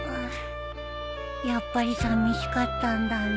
やっぱりさみしかったんだね。